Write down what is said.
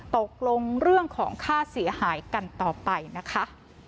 ตกลงเรื่องของค่าเสียหายกันต่อไปนะคะ